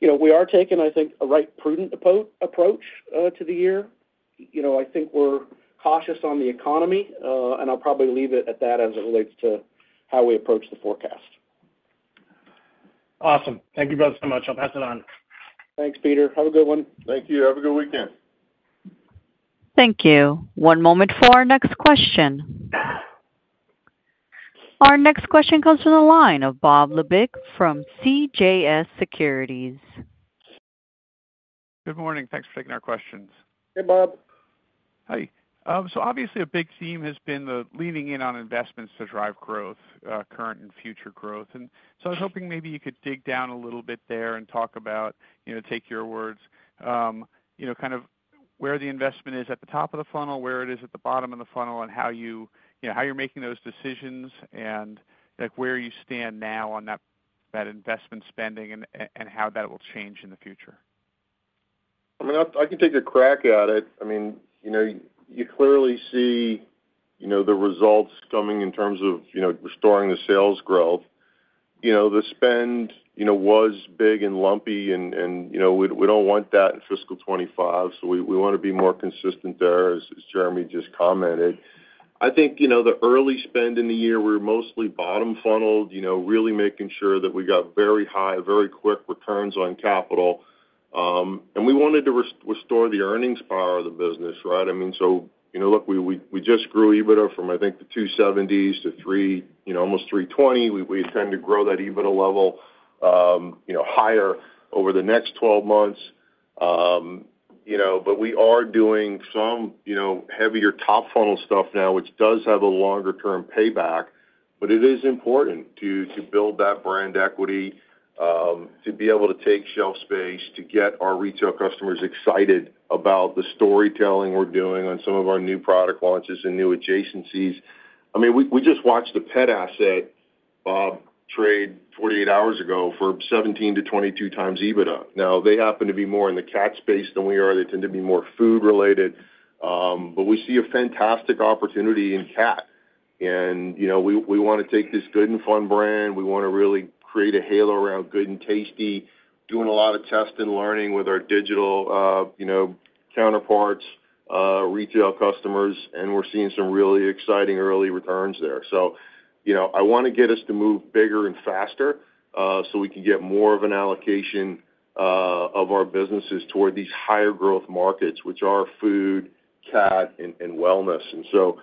we are taking, I think, a right, prudent approach to the year. I think we're cautious on the economy, and I'll probably leave it at that as it relates to how we approach the forecast. Awesome. Thank you both so much. I'll pass it on. Thanks, Peter. Have a good one. Thank you. Have a good weekend. Thank you. One moment for our next question. Our next question comes from the line of Bob Labick from CJS Securities. Good morning. Thanks for taking our questions. Hey, Bob. Hi. So obviously, a big theme has been the leaning in on investments to drive growth, current and future growth. And so I was hoping maybe you could dig down a little bit there and talk about, take your words, kind of where the investment is at the top of the funnel, where it is at the bottom of the funnel, and how you're making those decisions, and where you stand now on that investment spending and how that will change in the future. I mean, I can take a crack at it. I mean, you clearly see the results coming in terms of restoring the sales growth. The spend was big and lumpy, and we don't want that in fiscal 2025, so we want to be more consistent there, as Jeremy just commented. I think the early spend in the year, we were mostly bottom funneled, really making sure that we got very high, very quick returns on capital. We wanted to restore the earnings power of the business, right? I mean, so look, we just grew EBITDA from, I think, the 270s to almost 320. We intend to grow that EBITDA level higher over the next 12 months. But we are doing some heavier top funnel stuff now, which does have a longer-term payback, but it is important to build that brand equity, to be able to take shelf space, to get our retail customers excited about the storytelling we're doing on some of our new product launches and new adjacencies. I mean, we just watched the pet asset, Bob, trade 48 hours ago for 17x-22x EBITDA. Now, they happen to be more in the cat space than we are. They tend to be more food-related, but we see a fantastic opportunity in cat. And we want to take this Good 'n' Fun brand. We want to really create a halo around Good 'n' Tasty, doing a lot of test and learning with our digital counterparts, retail customers, and we're seeing some really exciting early returns there. So I want to get us to move bigger and faster so we can get more of an allocation of our businesses toward these higher growth markets, which are food, cat, and wellness. And so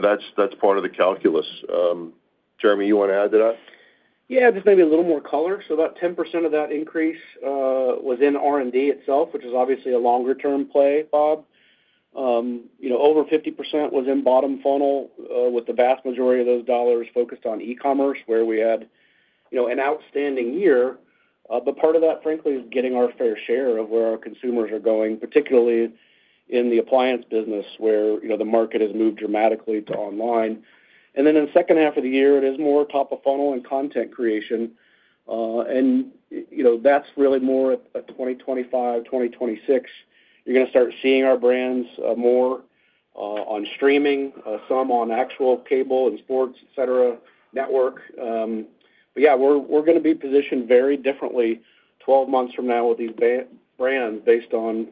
that's part of the calculus. Jeremy, you want to add to that? Yeah, just maybe a little more color. So about 10% of that increase was in R&D itself, which is obviously a longer-term play, Bob. Over 50% was in bottom funnel with the vast majority of those dollars focused on e-commerce, where we had an outstanding year. But part of that, frankly, is getting our fair share of where our consumers are going, particularly in the appliance business, where the market has moved dramatically to online. And then in the second half of the year, it is more top of funnel and content creation. And that's really more of a 2025, 2026. You're going to start seeing our brands more on streaming, some on actual cable and sports, etc., network. But yeah, we're going to be positioned very differently 12 months from now with these brands based on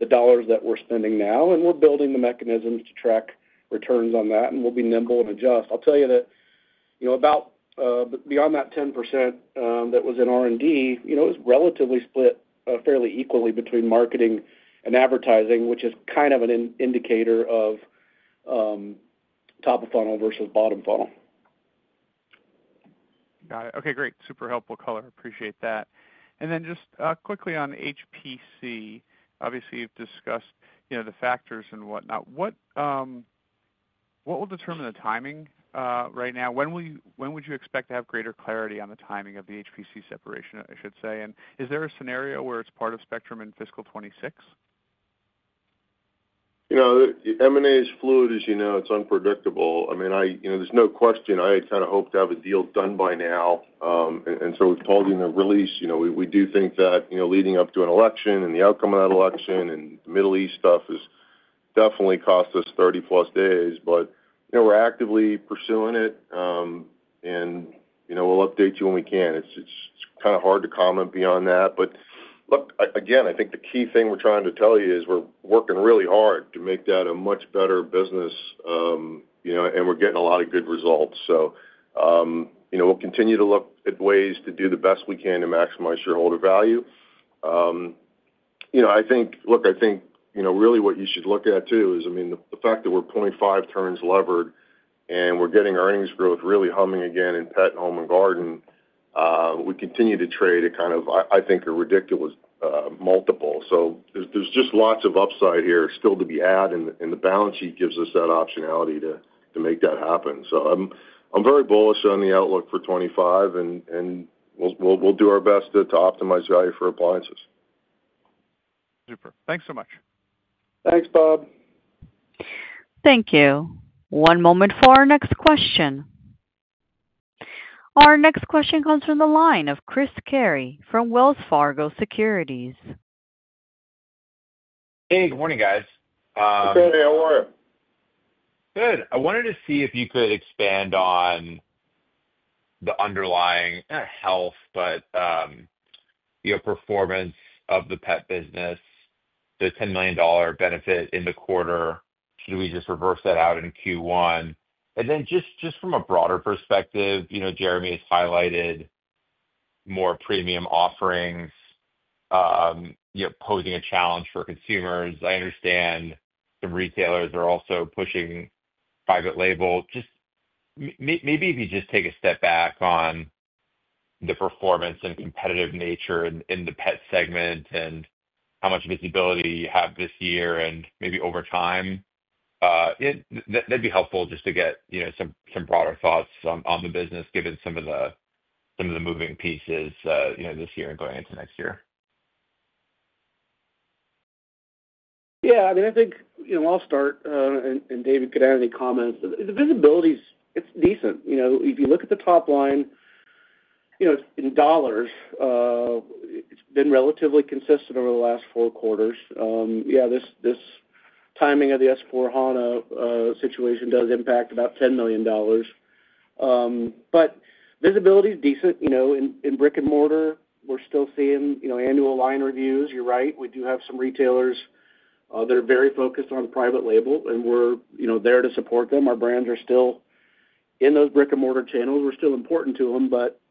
the dollars that we're spending now, and we're building the mechanisms to track returns on that, and we'll be nimble and adjust. I'll tell you that about beyond that 10% that was in R&D, it was relatively split fairly equally between marketing and advertising, which is kind of an indicator of top of funnel versus bottom funnel. Got it. Okay, great. Super helpful color. Appreciate that. And then just quickly on HPC, obviously, you've discussed the factors and whatnot. What will determine the timing right now? When would you expect to have greater clarity on the timing of the HPC separation, I should say? And is there a scenario where it's part of Spectrum in fiscal 2026? M&A is fluid, as you know. It's unpredictable. I mean, there's no question. I had kind of hoped to have a deal done by now, and so we've told you in the release, we do think that leading up to an election and the outcome of that election and the Middle East stuff has definitely cost us 30-plus days, but we're actively pursuing it, and we'll update you when we can. It's kind of hard to comment beyond that. But look, again, I think the key thing we're trying to tell you is we're working really hard to make that a much better business, and we're getting a lot of good results. So we'll continue to look at ways to do the best we can to maximize your shareholder value. I think, look, I think really what you should look at too is, I mean, the fact that we're 0.5 turns levered, and we're getting earnings growth really humming again in pet and Home & Garden. We continue to trade at kind of, I think, a ridiculous multiple. So there's just lots of upside here still to be had, and the balance sheet gives us that optionality to make that happen. So I'm very bullish on the outlook for 2025, and we'll do our best to optimize value for appliances. Super. Thanks so much. Thanks, Bob. Thank you. One moment for our next question. Our next question comes from the line of Christopher Carey from Wells Fargo Securities. Hey, good morning, guys. Hey, how are you? Good. I wanted to see if you could expand on the underlying health but the performance of the pet business, the $10 million benefit in the quarter. Should we just reverse that out in Q1? And then just from a broader perspective, Jeremy has highlighted more premium offerings posing a challenge for consumers. I understand some retailers are also pushing private label. Just maybe if you just take a step back on the performance and competitive nature in the pet segment and how much visibility you have this year and maybe over time, that'd be helpful just to get some broader thoughts on the business, given some of the moving pieces this year and going into next year. Yeah. I mean, I think I'll start, and David could add any comments. The visibility is decent. If you look at the top line in dollars, it's been relatively consistent over the last four quarters. Yeah, this timing of the S/4HANA situation does impact about $10 million. But visibility is decent. In brick and mortar, we're still seeing annual line reviews. You're right. We do have some retailers that are very focused on private label, and we're there to support them. Our brands are still in those brick and mortar channels. We're still important to them,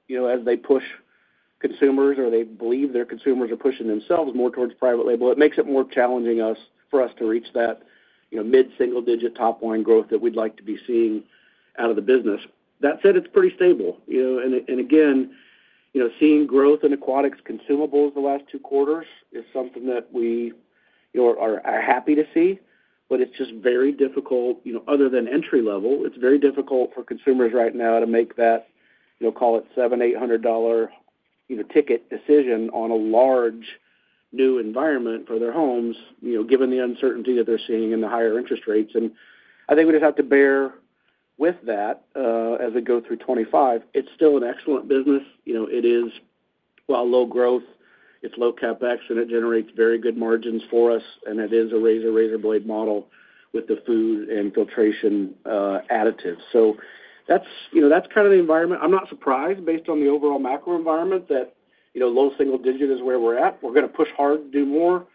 but as they push consumers or they believe their consumers are pushing themselves more towards private label, it makes it more challenging for us to reach that mid-single-digit top line growth that we'd like to be seeing out of the business. That said, it's pretty stable, and again, seeing growth in aquatics consumables the last two quarters is something that we are happy to see, but it's just very difficult. Other than entry level, it's very difficult for consumers right now to make that, call it $700-$800 ticket decision on a large new environment for their homes, given the uncertainty that they're seeing in the higher interest rates. And I think we just have to bear with that as we go through 2025. It's still an excellent business. It is, well, low growth. It's low CapEx, and it generates very good margins for us, and it is a razor-razorblade model with the food and filtration additives. So that's kind of the environment. I'm not surprised, based on the overall macro environment, that low single digit is where we're at. We're going to push hard to do more.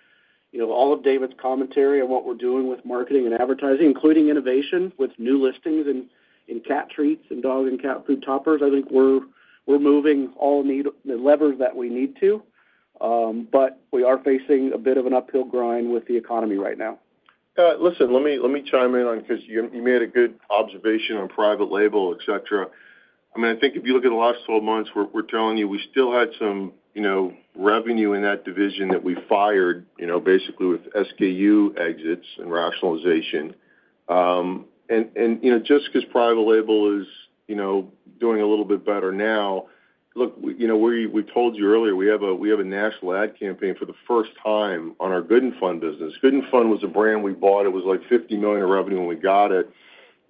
All of David's commentary on what we're doing with marketing and advertising, including innovation with new listings and cat treats and dog and cat food toppers, I think we're moving all the levers that we need to, but we are facing a bit of an uphill grind with the economy right now. Listen, let me chime in on because you made a good observation on private label, etc. I mean, I think if you look at the last 12 months, we're telling you we still had some revenue in that division that we fired basically with SKU exits and rationalization. And just because private label is doing a little bit better now, look, we told you earlier, we have a national ad campaign for the first time on our Good 'n' Fun business. Good 'n' Fun was a brand we bought. It was like $50 million in revenue when we got it.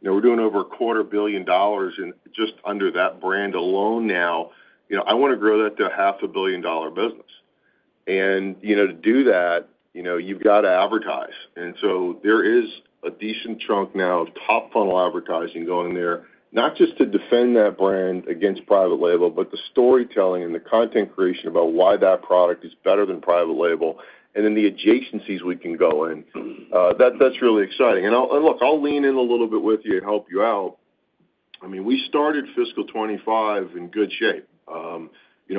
We're doing over $250 million just under that brand alone now. I want to grow that to a $500 million business. And to do that, you've got to advertise. And so there is a decent chunk now of top funnel advertising going there, not just to defend that brand against private label, but the storytelling and the content creation about why that product is better than private label, and then the adjacencies we can go in. That's really exciting. And look, I'll lean in a little bit with you and help you out. I mean, we started fiscal 2025 in good shape.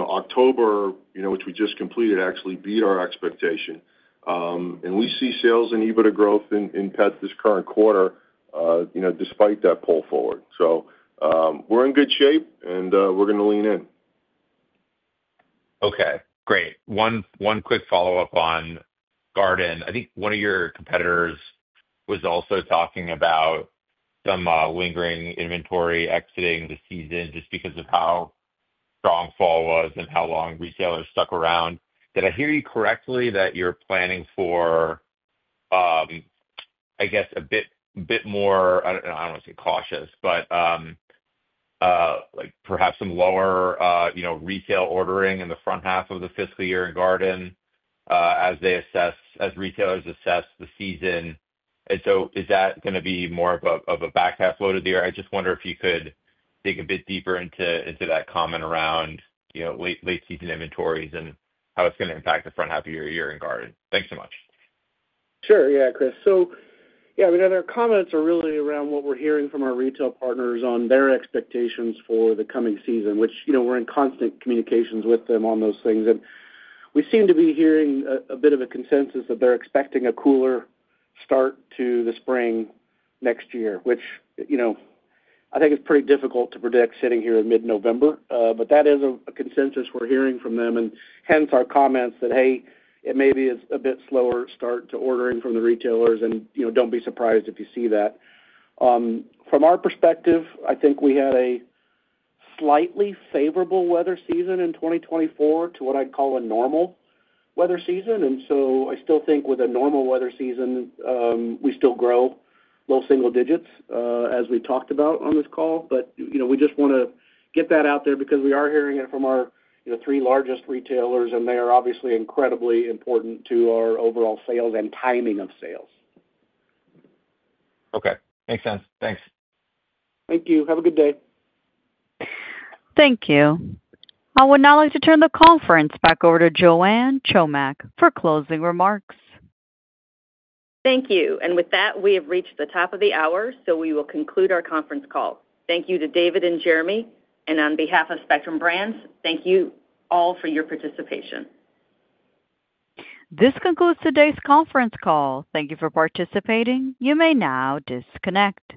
October, which we just completed, actually beat our expectation. And we see sales and EBITDA growth in pet this current quarter despite that pull forward. So we're in good shape, and we're going to lean in. Okay. Great. One quick follow-up on garden. I think one of your competitors was also talking about some lingering inventory exiting the season just because of how strong fall was and how long retailers stuck around. Did I hear you correctly that you're planning for, I guess, a bit more - I don't want to say cautious, but perhaps some lower retail ordering in the front half of the fiscal year in garden as retailers assess the season? And so is that going to be more of a back half load of the year? I just wonder if you could dig a bit deeper into that comment around late-season inventories and how it's going to impact the front half of your year in garden. Thanks so much. Sure. Yeah, Chris. So yeah, I mean, our comments are really around what we're hearing from our retail partners on their expectations for the coming season, which we're in constant communications with them on those things. And we seem to be hearing a bit of a consensus that they're expecting a cooler start to the spring next year, which I think is pretty difficult to predict sitting here in mid-November. But that is a consensus we're hearing from them, and hence our comments that, hey, it may be a bit slower start to ordering from the retailers, and don't be surprised if you see that. From our perspective, I think we had a slightly favorable weather season in 2024 to what I'd call a normal weather season. And so I still think with a normal weather season, we still grow low single digits, as we talked about on this call, but we just want to get that out there because we are hearing it from our three largest retailers, and they are obviously incredibly important to our overall sales and timing of sales. Okay. Makes sense. Thanks. Thank you. Have a good day. Thank you. I would now like to turn the conference back over to Joanne Chomiak for closing remarks. Thank you. And with that, we have reached the top of the hour, so we will conclude our conference call. Thank you to David and Jeremy. And on behalf of Spectrum Brands, thank you all for your participation. This concludes today's conference call. Thank you for participating. You may now disconnect.